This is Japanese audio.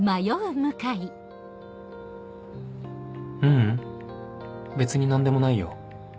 「ううん別に何でもないよ」